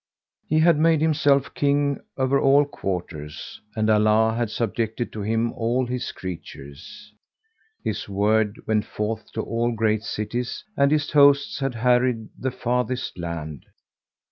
He had made himself King over all quarters, and Allah had subjected to him all His creatures; his word went forth to all great cities and his hosts had harried the farthest lands.